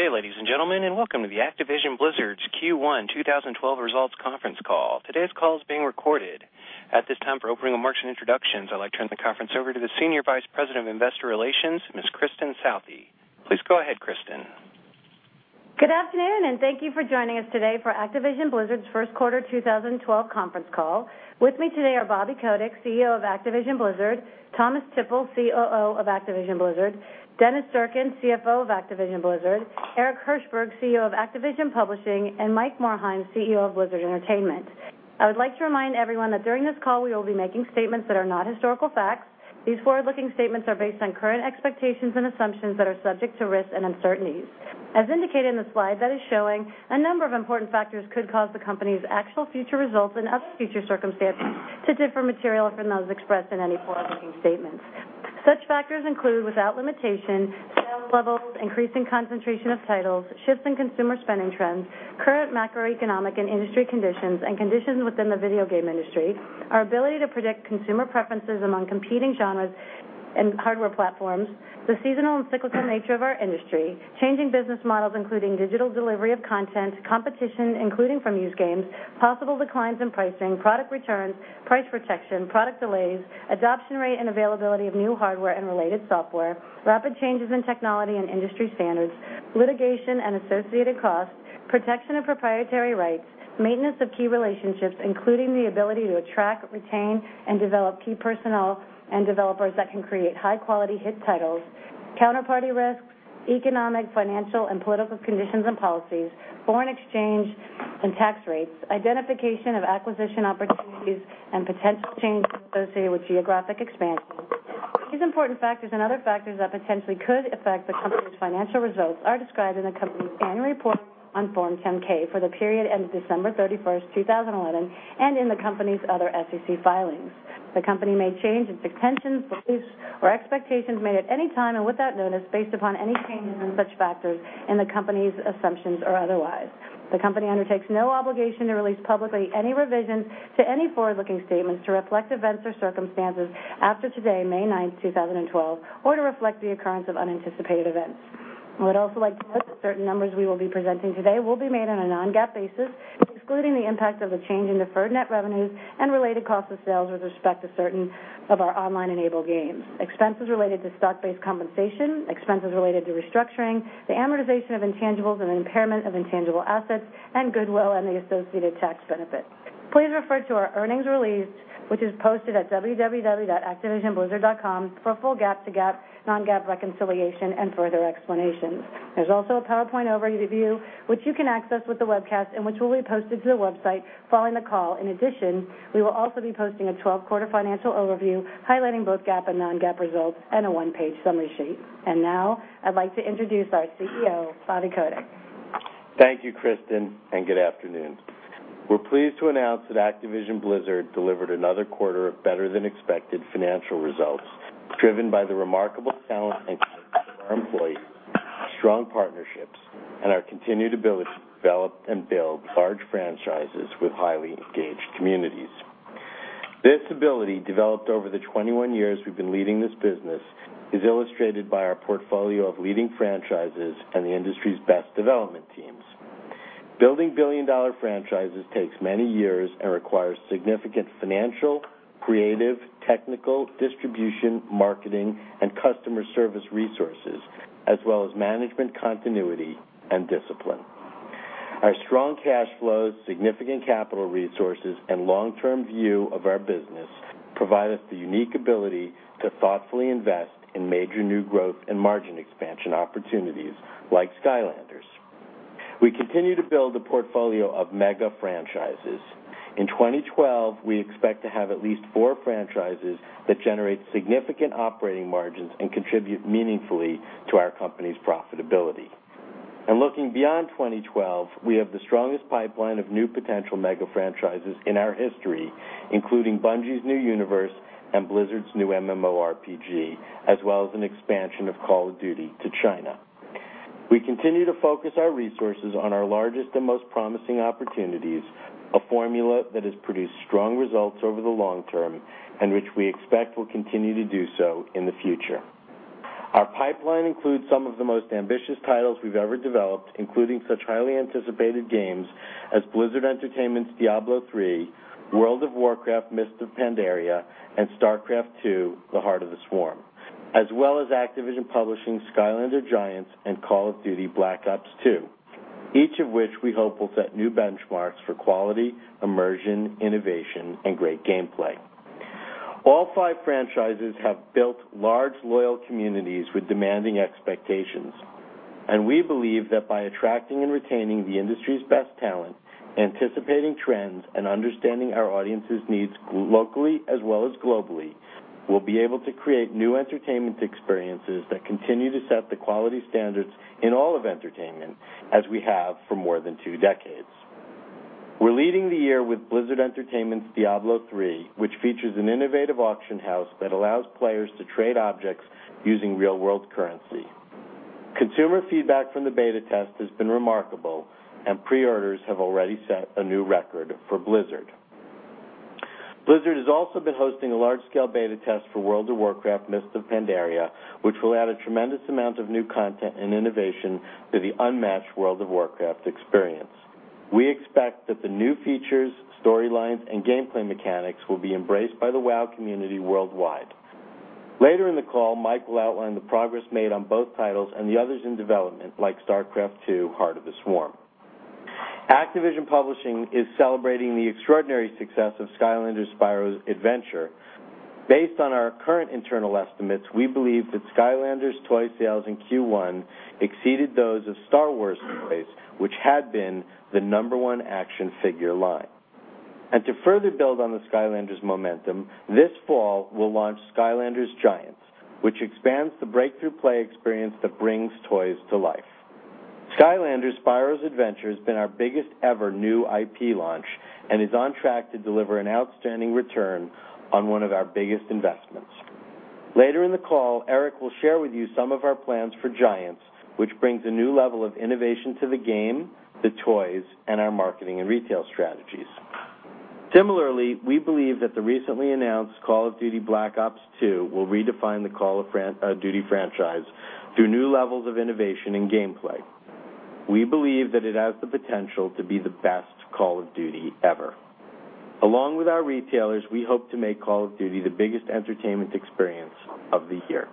Good day, ladies and gentlemen, and welcome to the Activision Blizzard's Q1 2012 results conference call. Today's call is being recorded. At this time, for opening remarks and introductions, I'd like to turn the conference over to the Senior Vice President of Investor Relations, Ms. Kristin Southey. Please go ahead, Kristin. Good afternoon, thank you for joining us today for Activision Blizzard's first quarter 2012 conference call. With me today are Bobby Kotick, CEO of Activision Blizzard; Thomas Tippl, COO of Activision Blizzard; Dennis Durkin, CFO of Activision Blizzard; Eric Hirshberg, CEO of Activision Publishing; and Mike Morhaime, CEO of Blizzard Entertainment. I would like to remind everyone that during this call, we will be making statements that are not historical facts. These forward-looking statements are based on current expectations and assumptions that are subject to risks and uncertainties. As indicated in the slide that is showing, a number of important factors could cause the company's actual future results and other future circumstances to differ materially from those expressed in any forward-looking statements. Such factors include, without limitation, sales levels, increasing concentration of titles, shifts in consumer spending trends, current macroeconomic and industry conditions, and conditions within the video game industry. Our ability to predict consumer preferences among competing genres and hardware platforms, the seasonal and cyclical nature of our industry, changing business models, including digital delivery of content, competition, including from used games, possible declines in pricing, product returns, price protection, product delays, adoption rate, and availability of new hardware and related software, rapid changes in technology and industry standards, litigation and associated costs, protection of proprietary rights, maintenance of key relationships, including the ability to attract, retain, and develop key personnel and developers that can create high-quality hit titles, counterparty risks, economic, financial, and political conditions and policies, foreign exchange and tax rates, identification of acquisition opportunities, and potential changes associated with geographic expansion. These important factors and other factors that potentially could affect the company's financial results are described in the company's annual report on Form 10-K for the period ending December 31st, 2011, in the company's other SEC filings. The company may change its intentions, beliefs, or expectations made at any time and without notice based upon any changes in such factors and the company's assumptions or otherwise. The company undertakes no obligation to release publicly any revisions to any forward-looking statements to reflect events or circumstances after today, May 9th, 2012, or to reflect the occurrence of unanticipated events. I would also like to note that certain numbers we will be presenting today will be made on a non-GAAP basis, excluding the impact of a change in deferred net revenues and related cost of sales with respect to certain of our online-enabled games. Expenses related to stock-based compensation, expenses related to restructuring, the amortization of intangibles and impairment of intangible assets, and goodwill and the associated tax benefit. Please refer to our earnings release, which is posted at www.activisionblizzard.com for a full GAAP to non-GAAP reconciliation and further explanations. There's also a PowerPoint overview, which you can access with the webcast and which will be posted to the website following the call. In addition, we will also be posting a 12-quarter financial overview highlighting both GAAP and non-GAAP results and a one-page summary sheet. Now I'd like to introduce our CEO, Bobby Kotick. Thank you, Kristin, and good afternoon. We're pleased to announce that Activision Blizzard delivered another quarter of better-than-expected financial results driven by the remarkable talent and commitment of our employees, strong partnerships, and our continued ability to develop and build large franchises with highly engaged communities. This ability, developed over the 21 years we've been leading this business, is illustrated by our portfolio of leading franchises and the industry's best development teams. Building billion-dollar franchises takes many years and requires significant financial, creative, technical, distribution, marketing, and customer service resources as well as management continuity and discipline. Our strong cash flows, significant capital resources, and long-term view of our business provide us the unique ability to thoughtfully invest in major new growth and margin expansion opportunities like Skylanders. We continue to build a portfolio of mega franchises. In 2012, we expect to have at least four franchises that generate significant operating margins and contribute meaningfully to our company's profitability. Looking beyond 2012, we have the strongest pipeline of new potential mega franchises in our history, including Bungie's new universe and Blizzard's new MMORPG, as well as an expansion of Call of Duty to China. We continue to focus our resources on our largest and most promising opportunities, a formula that has produced strong results over the long term and which we expect will continue to do so in the future. Our pipeline includes some of the most ambitious titles we've ever developed, including such highly anticipated games as Blizzard Entertainment's Diablo III, World of Warcraft: Mists of Pandaria, and StarCraft II: Heart of the Swarm, as well as Activision Publishing's Skylanders: Giants and Call of Duty: Black Ops II, each of which we hope will set new benchmarks for quality, immersion, innovation, and great gameplay. All five franchises have built large, loyal communities with demanding expectations, and we believe that by attracting and retaining the industry's best talent, anticipating trends, and understanding our audience's needs locally as well as globally, we'll be able to create new entertainment experiences that continue to set the quality standards in all of entertainment as we have for more than two decades. We're leading the year with Blizzard Entertainment's Diablo III, which features an innovative auction house that allows players to trade objects using real-world currency. Consumer feedback from the beta test has been remarkable, and pre-orders have already set a new record for Blizzard. Blizzard has also been hosting a large-scale beta test for World of Warcraft: Mists of Pandaria, which will add a tremendous amount of new content and innovation to the unmatched World of Warcraft experience. We expect that the new features, storylines, and gameplay mechanics will be embraced by the WoW community worldwide. Later in the call, Mike will outline the progress made on both titles and the others in development, like StarCraft II: Heart of the Swarm. Activision Publishing is celebrating the extraordinary success of Skylanders: Spyro's Adventure. Based on our current internal estimates, we believe that Skylanders toy sales in Q1 exceeded those of Star Wars toys, which had been the number one action figure line. To further build on the Skylanders momentum, this fall, we'll launch Skylanders: Giants, which expands the breakthrough play experience that brings toys to life. Skylanders: Spyro's Adventure has been our biggest ever new IP launch and is on track to deliver an outstanding return on one of our biggest investments. Later in the call, Eric will share with you some of our plans for Giants, which brings a new level of innovation to the game, the toys, and our marketing and retail strategies. Similarly, we believe that the recently announced Call of Duty: Black Ops II will redefine the Call of Duty franchise through new levels of innovation and gameplay. We believe that it has the potential to be the best Call of Duty ever. Along with our retailers, we hope to make Call of Duty the biggest entertainment experience of the year.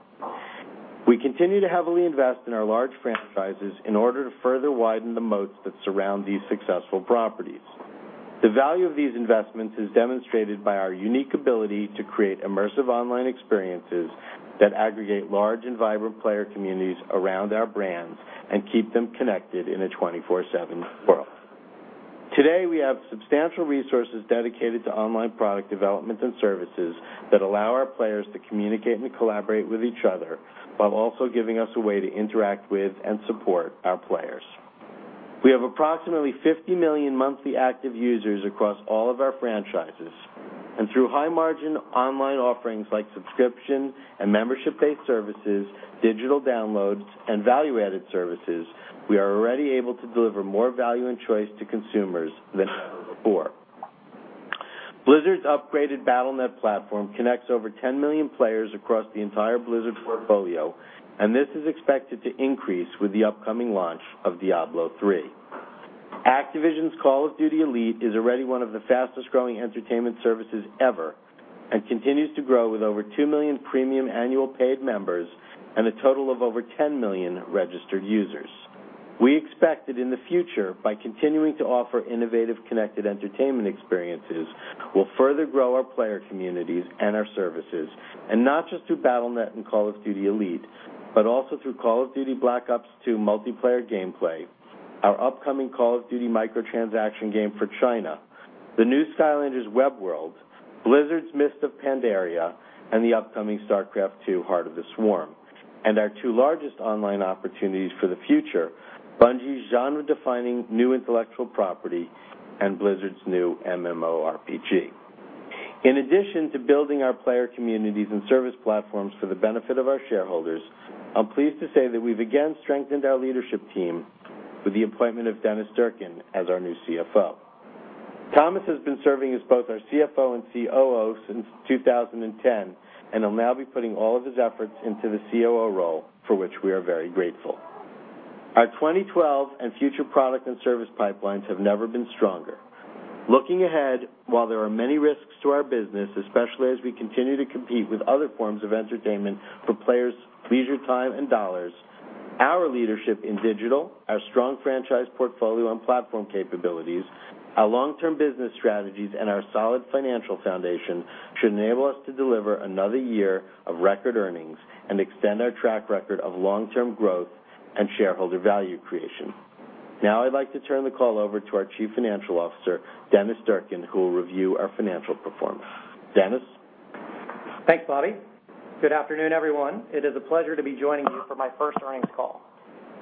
We continue to heavily invest in our large franchises in order to further widen the moats that surround these successful properties. The value of these investments is demonstrated by our unique ability to create immersive online experiences that aggregate large and vibrant player communities around our brands and keep them connected in a 24/7 world. Today, we have substantial resources dedicated to online product development and services that allow our players to communicate and collaborate with each other while also giving us a way to interact with and support our players. We have approximately 50 million monthly active users across all of our franchises, and through high-margin online offerings like subscription and membership-based services, digital downloads, and value-added services, we are already able to deliver more value and choice to consumers than ever before. Blizzard's upgraded Battle.net platform connects over 10 million players across the entire Blizzard portfolio, and this is expected to increase with the upcoming launch of Diablo III. Activision's "Call of Duty: Elite" is already one of the fastest-growing entertainment services ever and continues to grow with over 2 million premium annual paid members and a total of over 10 million registered users. We expect that in the future, by continuing to offer innovative, connected entertainment experiences, we'll further grow our player communities and our services, not just through Battle.net and "Call of Duty: Elite", but also through "Call of Duty: Black Ops II" multiplayer gameplay, our upcoming Call of Duty microtransaction game for China, the new Skylanders Web World, Blizzard's "Mists of Pandaria", and the upcoming "StarCraft II: Heart of the Swarm", and our two largest online opportunities for the future, Bungie's genre-defining new intellectual property and Blizzard's new MMORPG. In addition to building our player communities and service platforms for the benefit of our shareholders, I'm pleased to say that we've again strengthened our leadership team with the appointment of Dennis Durkin as our new CFO. Thomas has been serving as both our CFO and COO since 2010 and will now be putting all of his efforts into the COO role for which we are very grateful. Our 2012 and future product and service pipelines have never been stronger. Looking ahead, while there are many risks to our business, especially as we continue to compete with other forms of entertainment for players' leisure time and dollars, our leadership in digital, our strong franchise portfolio and platform capabilities, our long-term business strategies, our solid financial foundation should enable us to deliver another year of record earnings and extend our track record of long-term growth and shareholder value creation. Now I'd like to turn the call over to our Chief Financial Officer, Dennis Durkin, who will review our financial performance. Dennis? Thanks, Bobby. Good afternoon, everyone. It is a pleasure to be joining you for my first earnings call.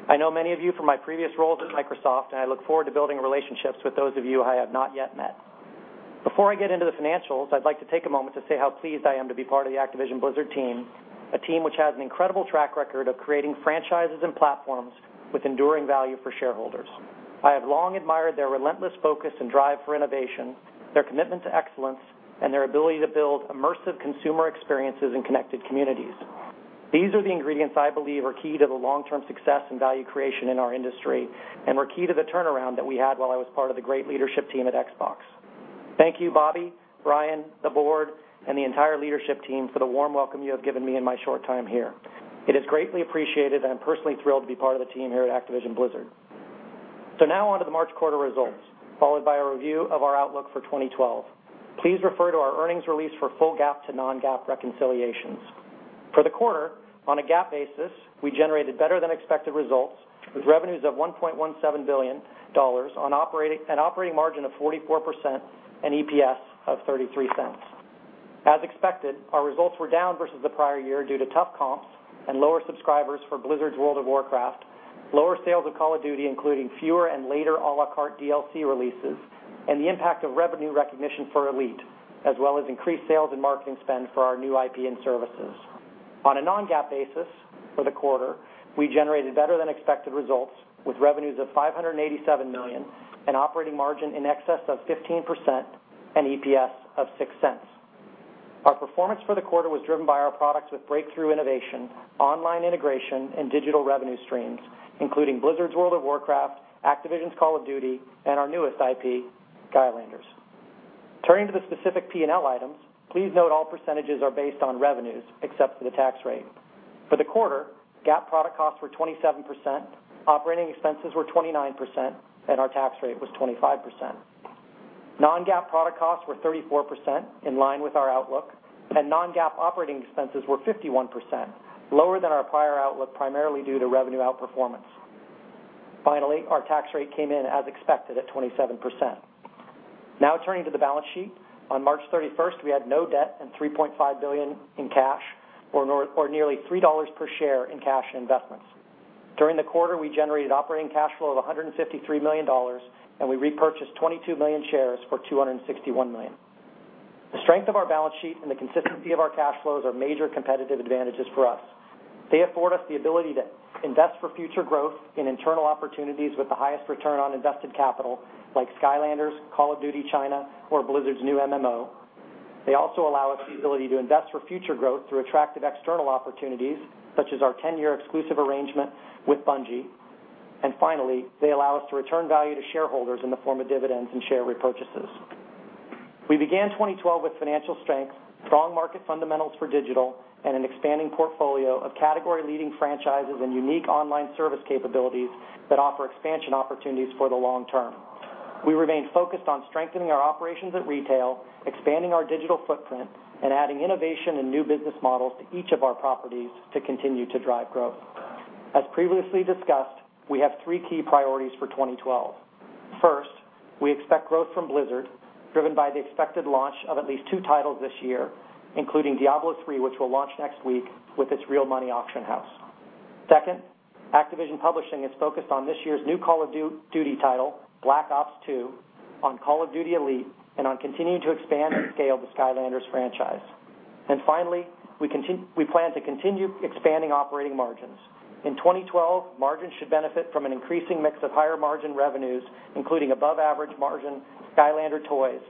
I know many of you from my previous roles at Microsoft, I look forward to building relationships with those of you I have not yet met. Before I get into the financials, I'd like to take a moment to say how pleased I am to be part of the Activision Blizzard team, a team which has an incredible track record of creating franchises and platforms with enduring value for shareholders. I have long admired their relentless focus and drive for innovation, their commitment to excellence, their ability to build immersive consumer experiences and connected communities. These are the ingredients I believe are key to the long-term success and value creation in our industry and were key to the turnaround that we had while I was part of the great leadership team at Xbox. Thank you, Bobby, Brian, the board, and the entire leadership team for the warm welcome you have given me in my short time here. It is greatly appreciated, and I'm personally thrilled to be part of the team here at Activision Blizzard. Now on to the March quarter results, followed by a review of our outlook for 2012. Please refer to our earnings release for full GAAP to non-GAAP reconciliations. For the quarter, on a GAAP basis, we generated better-than-expected results with revenues of $1.17 billion and operating margin of 44% and EPS of $0.33. As expected, our results were down versus the prior year due to tough comps and lower subscribers for Blizzard's World of Warcraft, lower sales of Call of Duty, including fewer and later a la carte DLC releases, and the impact of revenue recognition for Elite, as well as increased sales and marketing spend for our new IP and services. On a non-GAAP basis for the quarter, we generated better than expected results with revenues of $587 million and operating margin in excess of 15% and EPS of $0.06. Our performance for the quarter was driven by our products with breakthrough innovation, online integration, and digital revenue streams, including Blizzard's World of Warcraft, Activision's Call of Duty, and our newest IP, Skylanders. Turning to the specific P&L items, please note all percentages are based on revenues, except for the tax rate. For the quarter, GAAP product costs were 27%, operating expenses were 29%, and our tax rate was 25%. Non-GAAP product costs were 34%, in line with our outlook, and non-GAAP operating expenses were 51%, lower than our prior outlook, primarily due to revenue outperformance. Finally, our tax rate came in as expected at 27%. Now turning to the balance sheet. On March 31st, we had no debt and $3.5 billion in cash or nearly $3 per share in cash and investments. During the quarter, we generated operating cash flow of $153 million, and we repurchased 22 million shares for $261 million. The strength of our balance sheet and the consistency of our cash flows are major competitive advantages for us. They afford us the ability to invest for future growth in internal opportunities with the highest return on invested capital, like Skylanders, Call of Duty China, or Blizzard's new MMO. They also allow us the ability to invest for future growth through attractive external opportunities, such as our 10-year exclusive arrangement with Bungie. Finally, they allow us to return value to shareholders in the form of dividends and share repurchases. We began 2012 with financial strength, strong market fundamentals for digital, and an expanding portfolio of category-leading franchises and unique online service capabilities that offer expansion opportunities for the long term. We remain focused on strengthening our operations at retail, expanding our digital footprint, and adding innovation and new business models to each of our properties to continue to drive growth. As previously discussed, we have three key priorities for 2012. First, we expect growth from Blizzard, driven by the expected launch of at least two titles this year, including Diablo III, which will launch next week with its real money auction house. Second, Activision Publishing is focused on this year's new Call of Duty title, Black Ops II, on Call of Duty Elite, and on continuing to expand and scale the Skylanders franchise. Finally, we plan to continue expanding operating margins. In 2012, margins should benefit from an increasing mix of higher-margin revenues, including above-average margin Skylanders toys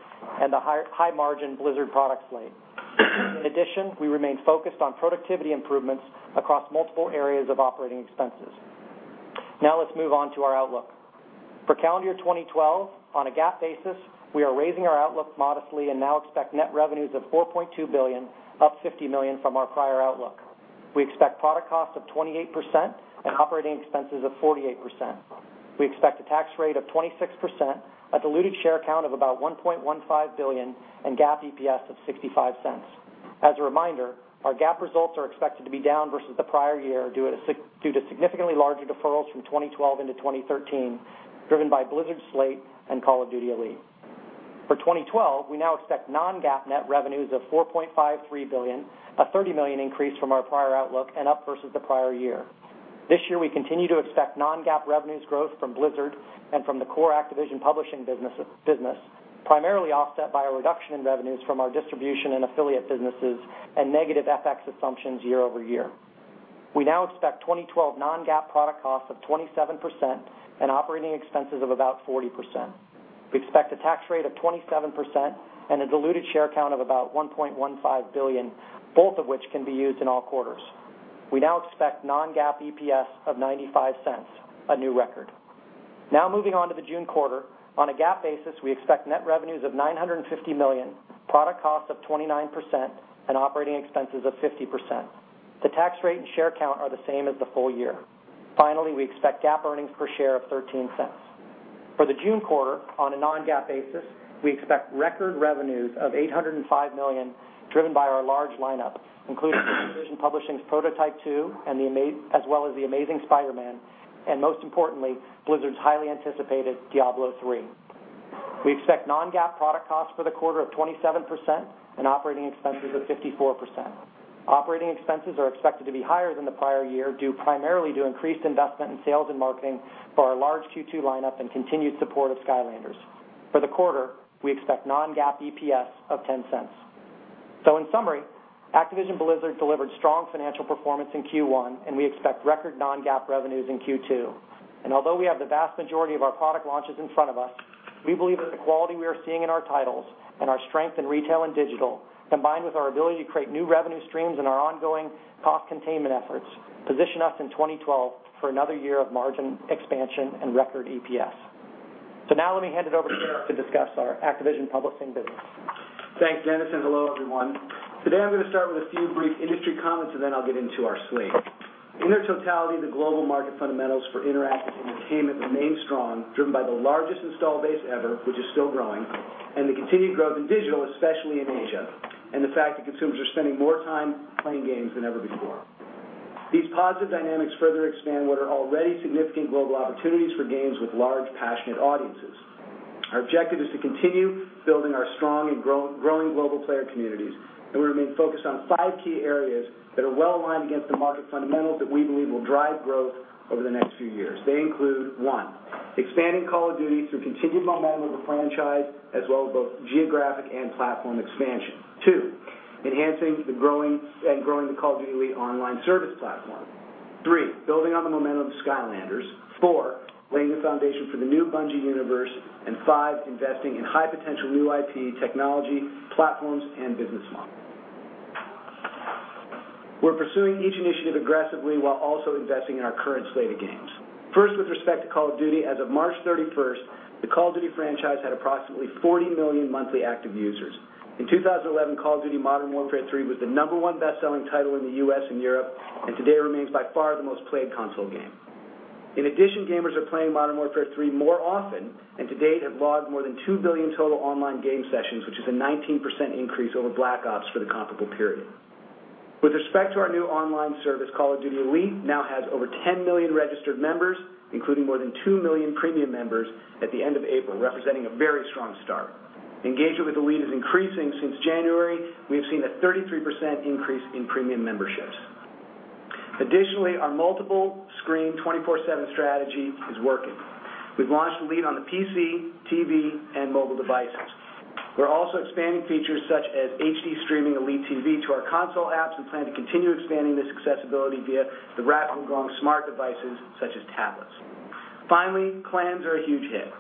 and the high-margin Blizzard product slate. In addition, we remain focused on productivity improvements across multiple areas of operating expenses. Let's move on to our outlook. For calendar 2012, on a GAAP basis, we are raising our outlook modestly and now expect net revenues of $4.2 billion, up $50 million from our prior outlook. We expect product costs of 28% and operating expenses of 48%. We expect a tax rate of 26%, a diluted share count of about 1.15 billion, and GAAP EPS of $0.65. As a reminder, our GAAP results are expected to be down versus the prior year due to significantly larger deferrals from 2012 into 2013, driven by Blizzard's slate and Call of Duty Elite. For 2012, we now expect non-GAAP net revenues of $4.53 billion, a $30 million increase from our prior outlook and up versus the prior year. This year, we continue to expect non-GAAP revenues growth from Blizzard and from the core Activision Publishing business, primarily offset by a reduction in revenues from our distribution and affiliate businesses and negative FX assumptions year-over-year. We now expect 2012 non-GAAP product costs of 27% and operating expenses of about 40%. We expect a tax rate of 27% and a diluted share count of about 1.15 billion, both of which can be used in all quarters. We now expect non-GAAP EPS of $0.95, a new record. Moving on to the June quarter. On a GAAP basis, we expect net revenues of $950 million, product costs of 29%, and operating expenses of 50%. The tax rate and share count are the same as the full year. Finally, we expect GAAP earnings per share of $0.13. For the June quarter, on a non-GAAP basis, we expect record revenues of $805 million, driven by our large lineup, including Activision Publishing's Prototype 2, as well as The Amazing Spider-Man, and most importantly, Blizzard's highly anticipated Diablo III. We expect non-GAAP product costs for the quarter of 27% and operating expenses of 54%. Operating expenses are expected to be higher than the prior year due primarily to increased investment in sales and marketing for our large Q2 lineup and continued support of Skylanders. For the quarter, we expect non-GAAP EPS of $0.10. In summary, Activision Blizzard delivered strong financial performance in Q1, and we expect record non-GAAP revenues in Q2. Although we have the vast majority of our product launches in front of us, we believe that the quality we are seeing in our titles and our strength in retail and digital, combined with our ability to create new revenue streams and our ongoing cost containment efforts, position us in 2012 for another year of margin expansion and record EPS. Let me hand it over to Eric to discuss our Activision Publishing business. Thanks, Dennis, and hello, everyone. Today, I'm going to start with a few brief industry comments. Then I'll get into our slate. In their totality, the global market fundamentals for interactive entertainment remain strong, driven by the largest install base ever, which is still growing, the continued growth in digital, especially in Asia, and the fact that consumers are spending more time playing games than ever before. These positive dynamics further expand what are already significant global opportunities for games with large, passionate audiences. Our objective is to continue building our strong and growing global player communities. We remain focused on five key areas that are well-aligned against the market fundamentals that we believe will drive growth over the next few years. They include, one, expanding Call of Duty through continued momentum of the franchise, as well as both geographic and platform expansion. Two, enhancing and growing the Call of Duty: Elite online service platform. Three, building on the momentum of Skylanders. Four, laying the foundation for the new Bungie universe, and five, investing in high-potential new IP, technology, platforms, and business models. We're pursuing each initiative aggressively while also investing in our current slate of games. First, with respect to Call of Duty, as of March 31st, the Call of Duty franchise had approximately 40 million monthly active users. In 2011, Call of Duty: Modern Warfare 3 was the number one best-selling title in the U.S. and Europe, and today remains by far the most-played console game. In addition, gamers are playing Modern Warfare 3 more often, and to date have logged more than 2 billion total online game sessions, which is a 19% increase over Black Ops for the comparable period. With respect to our new online service, Call of Duty: Elite now has over 10 million registered members, including more than 2 million premium members at the end of April, representing a very strong start. Engagement with Elite is increasing. Since January, we have seen a 33% increase in premium memberships. Additionally, our multiple-screen, 24/7 strategy is working. We've launched Elite on the PC, TV, and mobile devices. We're also expanding features such as HD streaming Elite TV to our console apps and plan to continue expanding this accessibility via the rapidly growing smart devices such as tablets. Clans are a huge hit.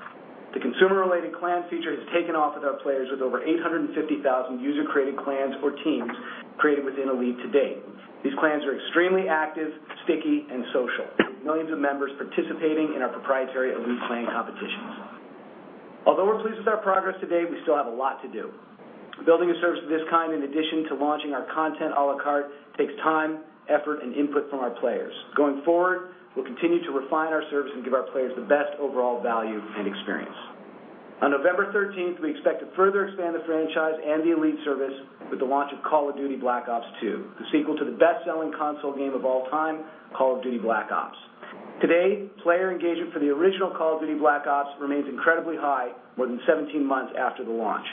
The consumer-related clan feature has taken off with our players, with over 850,000 user-created clans or teams created within Elite to date. These clans are extremely active, sticky, and social, with millions of members participating in our proprietary Elite clan competitions. Although we're pleased with our progress to date, we still have a lot to do. Building a service of this kind, in addition to launching our content a la carte, takes time, effort, and input from our players. Going forward, we'll continue to refine our service and give our players the best overall value and experience. On November 13th, we expect to further expand the franchise and the Elite service with the launch of Call of Duty: Black Ops II, the sequel to the best-selling console game of all time, Call of Duty: Black Ops. Today, player engagement for the original Call of Duty: Black Ops remains incredibly high more than 17 months after the launch.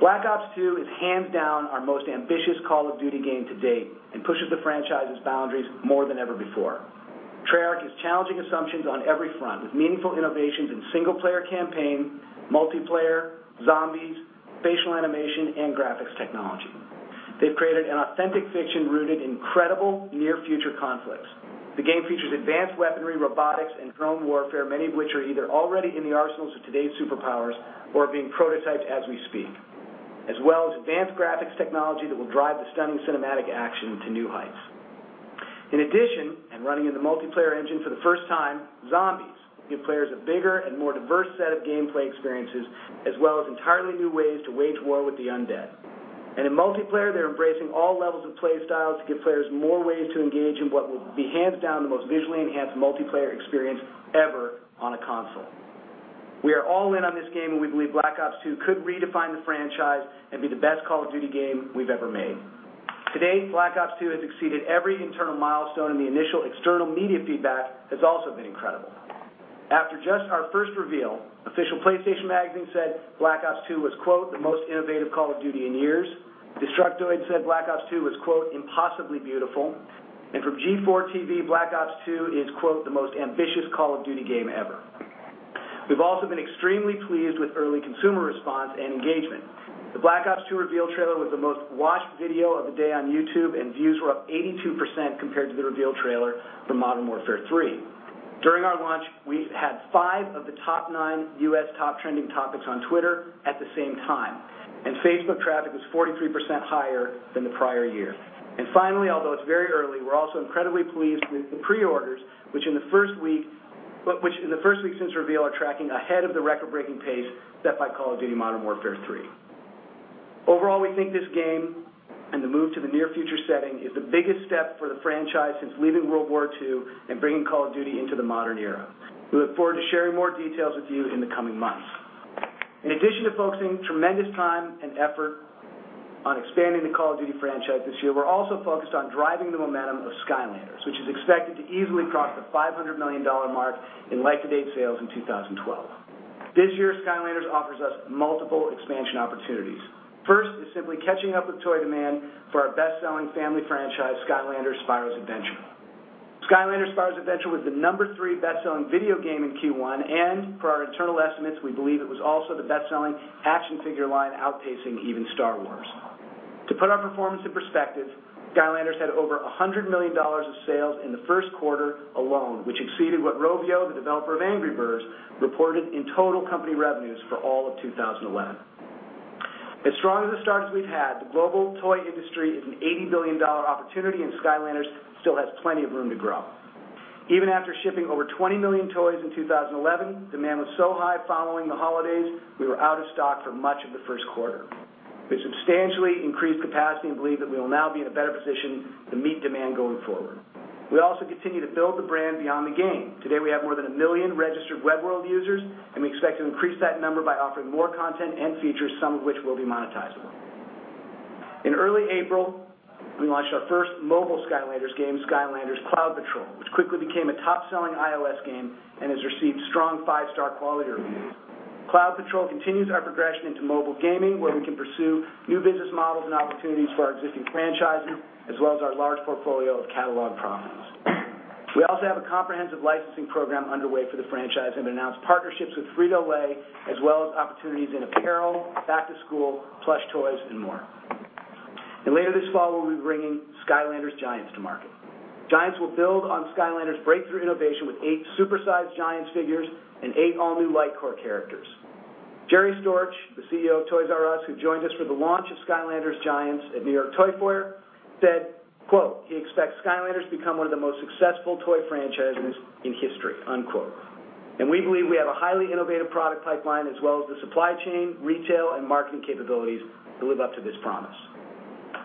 Black Ops II is hands down our most ambitious Call of Duty game to date and pushes the franchise's boundaries more than ever before. Treyarch is challenging assumptions on every front with meaningful innovations in single-player campaign, multiplayer, zombies, facial animation, and graphics technology. They've created an authentic fiction rooted in credible near-future conflicts. The game features advanced weaponry, robotics, and drone warfare, many of which are either already in the arsenals of today's superpowers or are being prototyped as we speak, as well as advanced graphics technology that will drive the stunning cinematic action to new heights. In addition, running in the multiplayer engine for the first time, zombies give players a bigger and more diverse set of gameplay experiences as well as entirely new ways to wage war with the undead. In multiplayer, they're embracing all levels of play styles to give players more ways to engage in what will be hands down the most visually enhanced multiplayer experience ever on a console. We are all in on this game, and we believe Black Ops II could redefine the franchise and be the best Call of Duty game we've ever made. To date, Black Ops II has exceeded every internal milestone, and the initial external media feedback has also been incredible. After just our first reveal, Official PlayStation Magazine said Black Ops II was, quote, "The most innovative Call of Duty in years." Destructoid said Black Ops II was, quote, "Impossibly beautiful." From G4, Black Ops II is, quote, "The most ambitious Call of Duty game ever." We've also been extremely pleased with early consumer response and engagement. The Black Ops II reveal trailer was the most-watched video of the day on YouTube, and views were up 82% compared to the reveal trailer for Modern Warfare 3. During our launch, we had five of the top nine U.S. top trending topics on Twitter at the same time, and Facebook traffic was 43% higher than the prior year. Finally, although it's very early, we're also incredibly pleased with the pre-orders, which in the first week since reveal are tracking ahead of the record-breaking pace set by Call of Duty: Modern Warfare 3. Overall, we think this game and the move to the near-future setting is the biggest step for the franchise since leaving World War II and bringing Call of Duty into the modern era. We look forward to sharing more details with you in the coming months. In addition to focusing tremendous time and effort on expanding the Call of Duty franchise this year, we're also focused on driving the momentum of Skylanders, which is expected to easily cross the $500 million mark in year-to-date sales in 2012. This year, Skylanders offers us multiple expansion opportunities. First is simply catching up with toy demand for our best-selling family franchise, Skylanders: Spyro's Adventure. Skylanders: Spyro's Adventure was the number 3 best-selling video game in Q1 and per our internal estimates, we believe it was also the best-selling action figure line, outpacing even Star Wars. To put our performance in perspective, Skylanders had over $100 million of sales in the first quarter alone, which exceeded what Rovio, the developer of Angry Birds, reported in total company revenues for all of 2011. As strong as the start we've had, the global toy industry is an $80 billion opportunity, Skylanders still has plenty of room to grow. Even after shipping over 20 million toys in 2011, demand was so high following the holidays, we were out of stock for much of the first quarter. We've substantially increased capacity and believe that we will now be in a better position to meet demand going forward. We also continue to build the brand beyond the game. Today, we have more than a million registered Web World users, we expect to increase that number by offering more content and features, some of which will be monetizable. In early April, we launched our first mobile Skylanders game, Skylanders: Cloud Patrol, which quickly became a top-selling iOS game and has received strong five-star quality reviews. Cloud Patrol continues our progression into mobile gaming, where we can pursue new business models and opportunities for our existing franchises, as well as our large portfolio of catalog properties. We also have a comprehensive licensing program underway for the franchise and have announced partnerships with Frito-Lay, as well as opportunities in apparel, back to school, plush toys, and more. Later this fall, we'll be bringing Skylanders: Giants to market. Giants will build on Skylanders' breakthrough innovation with eight super-sized Giants figures and eight all-new LightCore characters. Jerry Storch, the CEO of Toys R Us, who joined us for the launch of Skylanders: Giants at New York Toy Fair, said, quote, "He expects Skylanders to become one of the most successful toy franchises in history," unquote. We believe we have a highly innovative product pipeline as well as the supply chain, retail, and marketing capabilities to live up to this promise.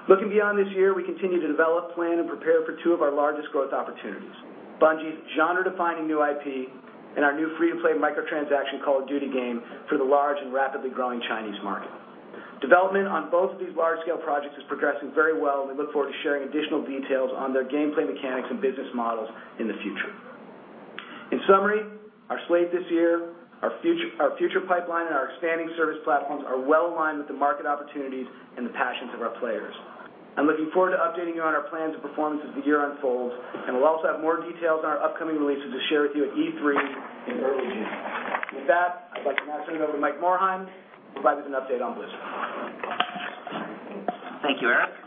Looking beyond this year, we continue to develop, plan, and prepare for two of our largest growth opportunities, Bungie's genre-defining new IP and our new free-to-play microtransaction Call of Duty game for the large and rapidly growing Chinese market. Development on both of these large-scale projects is progressing very well, and we look forward to sharing additional details on their gameplay mechanics and business models in the future. In summary, our slate this year, our future pipeline, and our expanding service platforms are well-aligned with the market opportunities and the passions of our players. I'm looking forward to updating you on our plans and performance as the year unfolds, and we'll also have more details on our upcoming releases to share with you at E3 in early June. With that, I'd like to now turn it over to Mike Morhaime, who'll provide us an update on Blizzard. Thank you, Eric.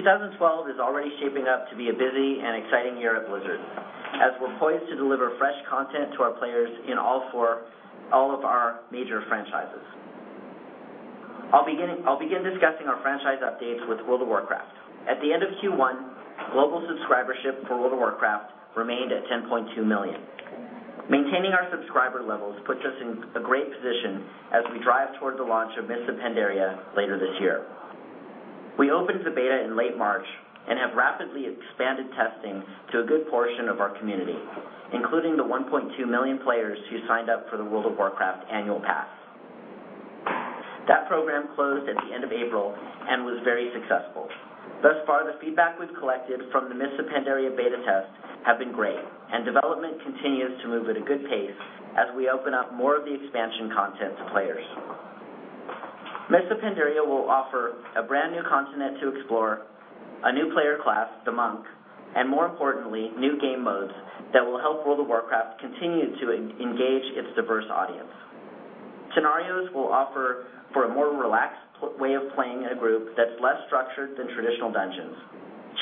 2012 is already shaping up to be a busy and exciting year at Blizzard as we're poised to deliver fresh content to our players in all of our major franchises. I'll begin discussing our franchise updates with World of Warcraft. At the end of Q1, global subscribership for World of Warcraft remained at $10.2 million. Maintaining our subscriber levels puts us in a great position as we drive towards the launch of World of Warcraft: Mists of Pandaria later this year. We opened the beta in late March and have rapidly expanded testing to a good portion of our community, including the $1.2 million players who signed up for the World of Warcraft Annual Pass. That program closed at the end of April and was very successful. Thus far, the feedback we've collected from the World of Warcraft: Mists of Pandaria beta tests have been great, and development continues to move at a good pace as we open up more of the expansion content to players. World of Warcraft: Mists of Pandaria will offer a brand-new continent to explore, a new player class, the Monk, and more importantly, new game modes that will help World of Warcraft continue to engage its diverse audience. Scenarios will offer for a more relaxed way of playing in a group that's less structured than traditional dungeons.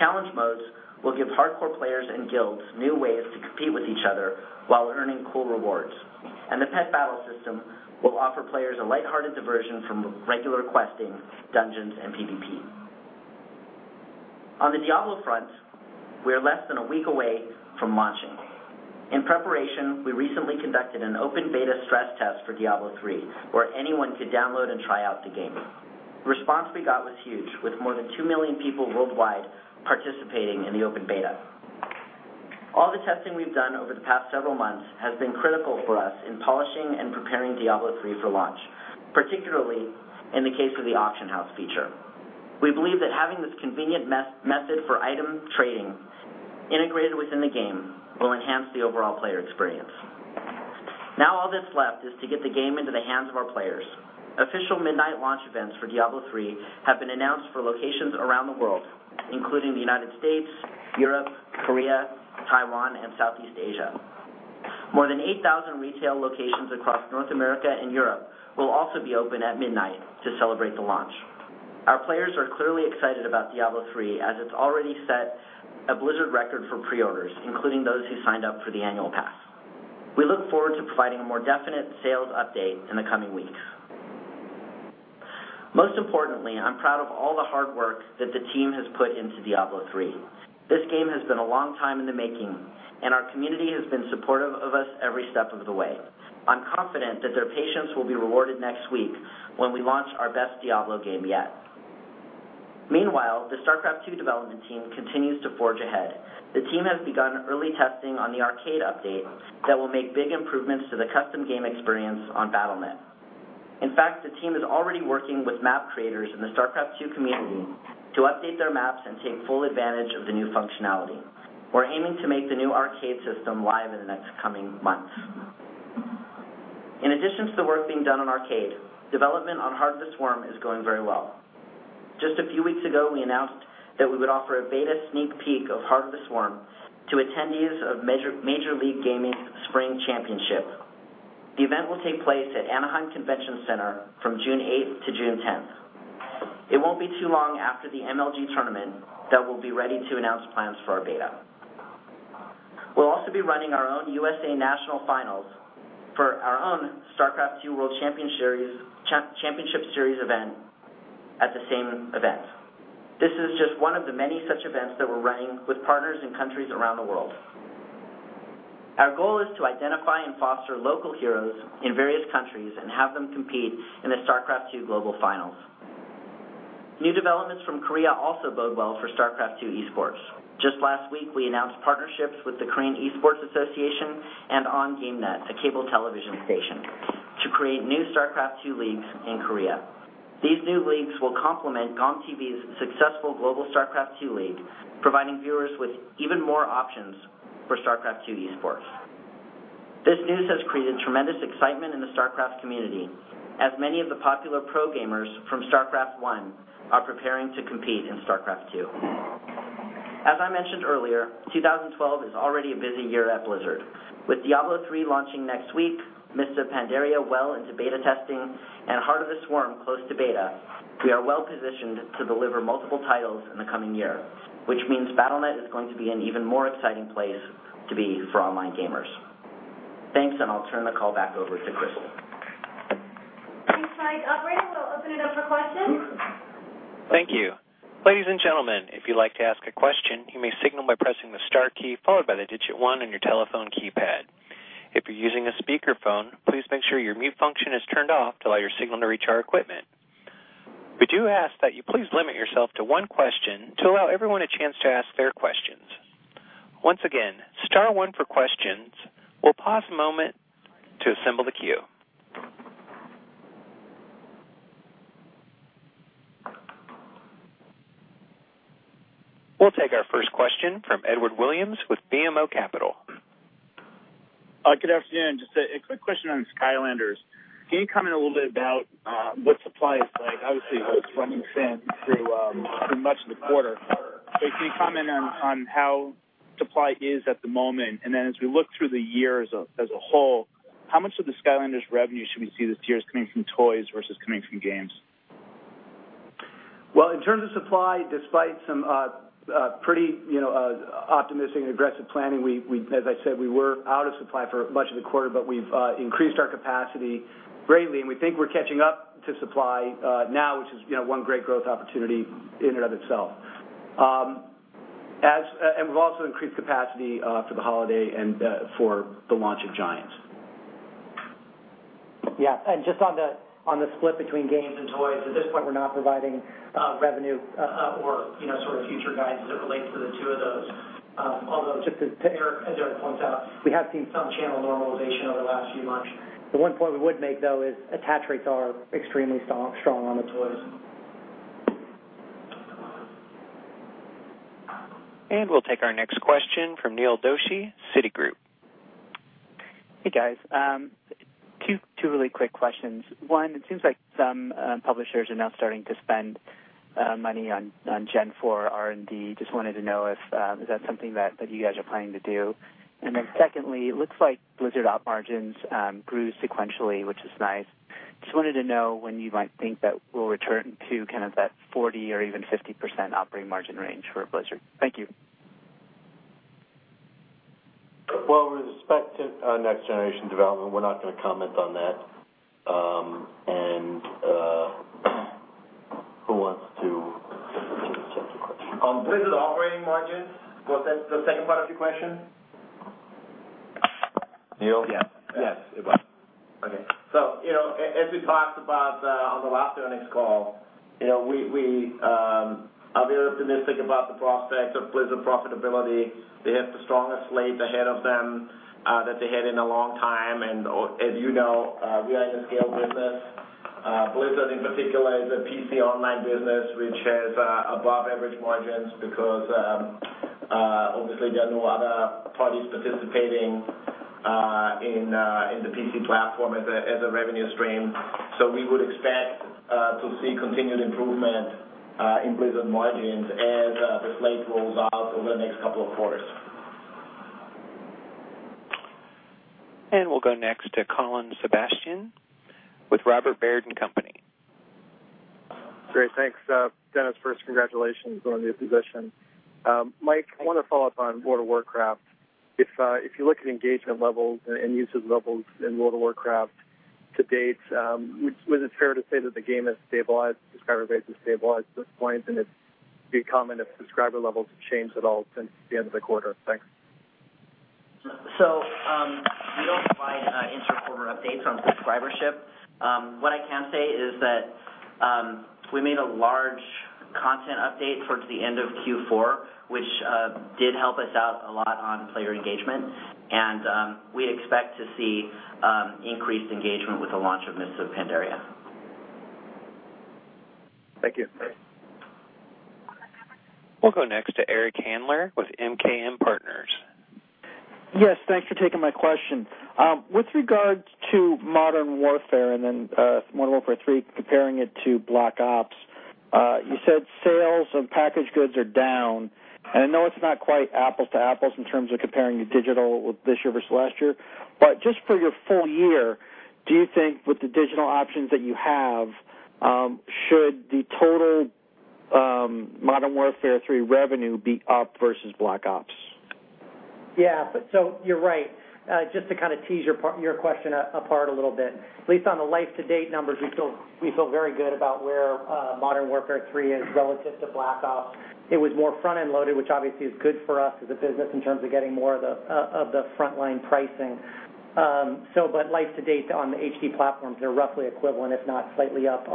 Challenge modes will give hardcore players and guilds new ways to compete with each other while earning cool rewards. The pet battle system will offer players a lighthearted diversion from regular questing, dungeons, and PVP. On the Diablo front, we are less than a week away from launching. In preparation, we recently conducted an open beta stress test for Diablo III, where anyone could download and try out the game. The response we got was huge, with more than 2 million people worldwide participating in the open beta. All the testing we've done over the past several months has been critical for us in polishing and preparing Diablo III for launch, particularly in the case of the auction house feature. We believe that having this convenient method for item trading integrated within the game will enhance the overall player experience. Now all that's left is to get the game into the hands of our players. Official midnight launch events for Diablo III have been announced for locations around the world, including the U.S., Europe, Korea, Taiwan, and Southeast Asia. More than 8,000 retail locations across North America and Europe will also be open at midnight to celebrate the launch. Our players are clearly excited about Diablo III, as it's already set a Blizzard record for pre-orders, including those who signed up for the Annual Pass. We look forward to providing a more definite sales update in the coming weeks. Most importantly, I'm proud of all the hard work that the team has put into Diablo III. This game has been a long time in the making, and our community has been supportive of us every step of the way. I'm confident that their patience will be rewarded next week when we launch our best Diablo game yet. Meanwhile, the StarCraft II development team continues to forge ahead. The team has begun early testing on the arcade update that will make big improvements to the custom game experience on Battle.net. In fact, the team is already working with map creators in the StarCraft II community to update their maps and take full advantage of the new functionality. We're aiming to make the new arcade system live in the next coming months. In addition to the work being done on arcade, development on Heart of the Swarm is going very well. Just a few weeks ago, we announced that we would offer a beta sneak peek of Heart of the Swarm to attendees of Major League Gaming's Spring Championship. The event will take place at Anaheim Convention Center from June 8th to June 10th. It won't be too long after the MLG tournament that we'll be ready to announce plans for our beta. We'll also be running our own USA national finals for our own StarCraft II World Championship Series event at the same event. This is just one of the many such events that we're running with partners in countries around the world. Our goal is to identify and foster local heroes in various countries and have them compete in the StarCraft II Global Finals. New developments from Korea also bode well for StarCraft II esports. Just last week, we announced partnerships with the Korea e-Sports Association and OnGameNet, a cable television station, to create new StarCraft II leagues in Korea. These new leagues will complement GomTV's successful global StarCraft II league, providing viewers with even more options for StarCraft II esports. This news has created tremendous excitement in the StarCraft community, as many of the popular pro gamers from StarCraft I are preparing to compete in StarCraft II. As I mentioned earlier, 2012 is already a busy year at Blizzard. With Diablo III launching next week, Mists of Pandaria well into beta testing, and Heart of the Swarm close to beta, we are well-positioned to deliver multiple titles in the coming year, which means Battle.net is going to be an even more exciting place to be for online gamers. Thanks, I'll turn the call back over to Kristin. Thanks, Mike. Operator, we'll open it up for questions. Thank you. Ladies and gentlemen, if you'd like to ask a question, you may signal by pressing the star key followed by the digit one on your telephone keypad. If you're using a speakerphone, please make sure your mute function is turned off to allow your signal to reach our equipment. We do ask that you please limit yourself to one question to allow everyone a chance to ask their questions. Once again, star one for questions. We'll pause a moment to assemble the queue. We'll take our first question from Edward Williams with BMO Capital. Good afternoon. Just a quick question on Skylanders. Can you comment a little bit about what supply is like? Obviously, it was running thin through much of the quarter. Can you comment on how supply is at the moment? As we look through the year as a whole, how much of the Skylanders revenue should we see this year is coming from toys versus coming from games? Well, in terms of supply, despite some pretty optimistic and aggressive planning, as I said, we were out of supply for much of the quarter, but we've increased our capacity greatly, and we think we're catching up to supply now, which is one great growth opportunity in and of itself. We've also increased capacity for the holiday and for the launch of Giants. Yes. Just on the split between games and toys, at this point, we're not providing revenue or future guidance as it relates to the two of those. Although just to Eric points out, we have seen some channel normalization over the last few months. The one point we would make, though, is attach rates are extremely strong on the toys. We'll take our next question from Neil Doshi, Citigroup. Hey, guys. Two really quick questions. One, it seems like some publishers are now starting to spend money on next-gen R&D. Just wanted to know if is that something that you guys are planning to do? Secondly, it looks like Blizzard op margins grew sequentially, which is nice. Just wanted to know when you might think that we'll return to that 40% or even 50% operating margin range for Blizzard. Thank you. Well, with respect to next-gen development, we're not going to comment on that. Who wants to take a crack at the question? Blizzard operating margins, was that the second part of your question? Neil, yeah. Yes. Okay. As we talked about on the last earnings call, we are very optimistic about the prospects of Blizzard profitability. They have the strongest slate ahead of them that they had in a long time, as you know, we are in a scale business. Blizzard, in particular, is a PC online business, which has above-average margins because obviously there are no other parties participating in the PC platform as a revenue stream. We would expect to see continued improvement in Blizzard margins as the slate rolls out over the next couple of quarters. We'll go next to Colin Sebastian with Robert Baird & Company. Great. Thanks. Dennis, first, congratulations on your position. Mike, I want to follow up on World of Warcraft. If you look at engagement levels and usage levels in World of Warcraft to date, would it be fair to say that the game has stabilized, subscriber base has stabilized at this point, it'd be common if subscriber levels have changed at all since the end of the quarter? Thanks. We don't provide interim updates on subscribership. What I can say is that we made a large content update towards the end of Q4, which did help us out a lot on player engagement, and we expect to see increased engagement with the launch of Mists of Pandaria. Thank you. We'll go next to Eric O. Handler with MKM Partners. Yes, thanks for taking my question. With regards to Modern Warfare and then Modern Warfare 3, comparing it to Black Ops, you said sales of packaged goods are down, and I know it's not quite apples to apples in terms of comparing the digital this year versus last year. Just for your full year, do you think with the digital options that you have, should the total Modern Warfare 3 revenue be up versus Black Ops? Yeah. You're right. Just to kind of tease your question apart a little bit, at least on the life-to-date numbers, we feel very good about where Modern Warfare 3 is relative to Black Ops. It was more front-end loaded, which obviously is good for us as a business in terms of getting more of the frontline pricing. Life to date on the HD platforms, they're roughly equivalent, if not slightly up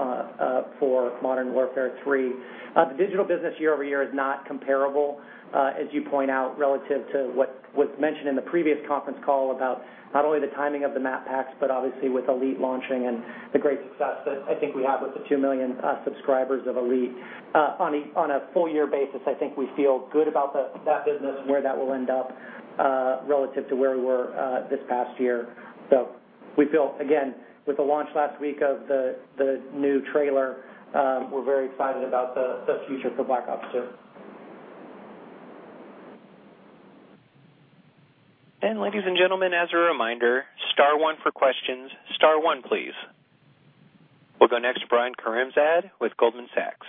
for Modern Warfare 3. The digital business year-over-year is not comparable, as you point out, relative to what was mentioned in the previous conference call about not only the timing of the map packs, obviously with Elite launching and the great success that I think we have with the 2 million subscribers of Elite. On a full year basis, I think we feel good about that business and where that will end up. Relative to where we were this past year. We feel, again, with the launch last week of the new trailer, we're very excited about the future for Black Ops II. Ladies and gentlemen, as a reminder, star 1 for questions, star 1, please. We'll go next to Brian Karimzad with Goldman Sachs.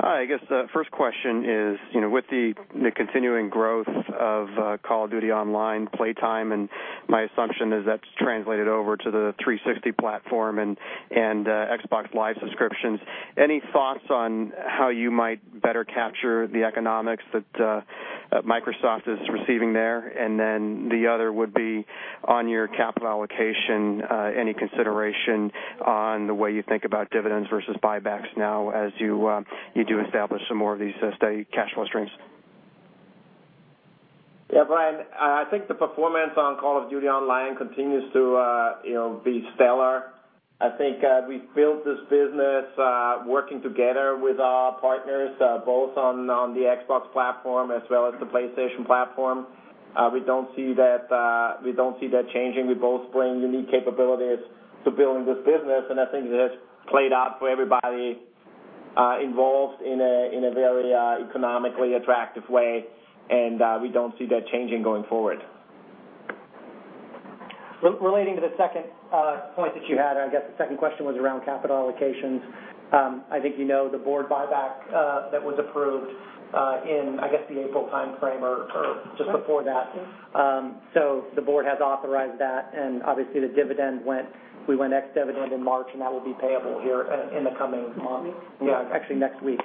Hi. I guess the first question is, with the continuing growth of Call of Duty online playtime, and my assumption is that's translated over to the 360 platform and Xbox Live subscriptions. Any thoughts on how you might better capture the economics that Microsoft is receiving there? The other would be on your capital allocation, any consideration on the way you think about dividends versus buybacks now as you do establish some more of these steady cash flow streams? Yeah, Brian, I think the performance on Call of Duty online continues to be stellar. I think we've built this business working together with our partners, both on the Xbox platform as well as the PlayStation platform. We don't see that changing. We both bring unique capabilities to building this business, and I think that's played out for everybody involved in a very economically attractive way, and we don't see that changing going forward. Relating to the second point that you had, I guess the second question was around capital allocations. I think you know the board buyback that was approved in, I guess, the April timeframe or just before that. The board has authorized that, and obviously, the dividend went, we went ex-dividend in March, and that will be payable here in the coming month. Next week. Yeah. Actually, next week.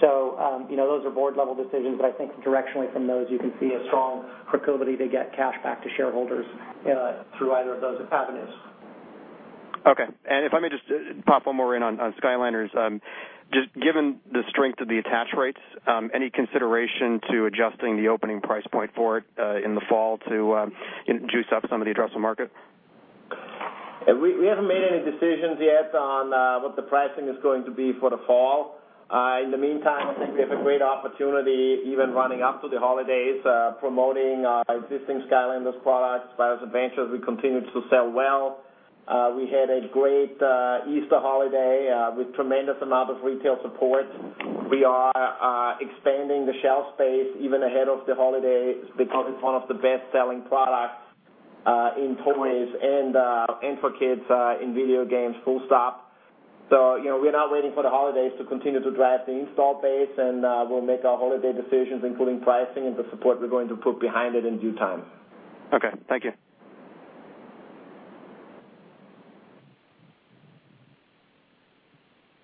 Those are board-level decisions, but I think directionally from those, you can see a strong proclivity to get cash back to shareholders through either of those avenues. Okay. If I may just pop one more in on Skylanders. Just given the strength of the attach rates, any consideration to adjusting the opening price point for it in the fall to juice up some of the addressable market? We haven't made any decisions yet on what the pricing is going to be for the fall. In the meantime, I think we have a great opportunity even running up to the holidays, promoting our existing Skylanders products. Skylanders Adventures we continue to sell well. We had a great Easter holiday with tremendous amount of retail support. We are expanding the shelf space even ahead of the holidays because it's one of the best-selling products in toys and for kids in video games, full stop. We're not waiting for the holidays to continue to drive the install base, and we'll make our holiday decisions, including pricing and the support we're going to put behind it in due time. Okay. Thank you.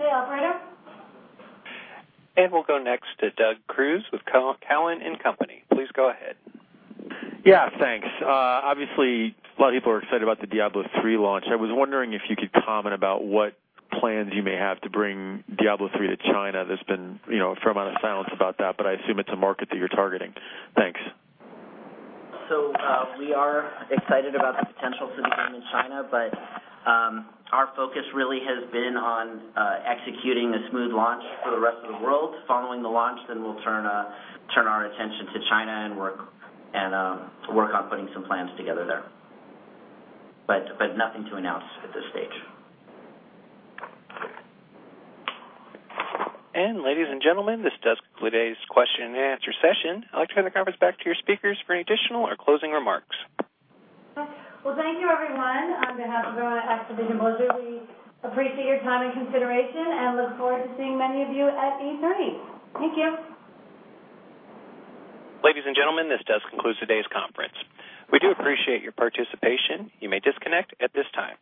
Okay, operator? We'll go next to Douglas Creutz with Cowen and Company. Please go ahead. Yeah, thanks. Obviously, a lot of people are excited about the Diablo III launch. I was wondering if you could comment about what plans you may have to bring Diablo III to China. There's been a fair amount of silence about that, but I assume it's a market that you're targeting. Thanks. We are excited about the potential for the game in China, but our focus really has been on executing a smooth launch for the rest of the world. Following the launch, we'll turn our attention to China and work on putting some plans together there. Nothing to announce at this stage. Ladies and gentlemen, this does conclude today's question and answer session. I'd like to turn the conference back to your speakers for any additional or closing remarks. Well, thank you, everyone. On behalf of everyone at Activision Blizzard, we appreciate your time and consideration and look forward to seeing many of you at E3. Thank you. Ladies and gentlemen, this does conclude today's conference. We do appreciate your participation. You may disconnect at this time.